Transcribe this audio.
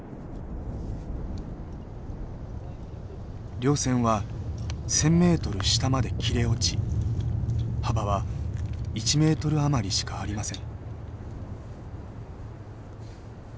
稜線は１，０００ｍ下まで切れ落ち幅は１ｍ余りしかありません。